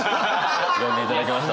呼んでいただきました。